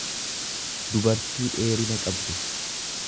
dubartii dheerina qabdu.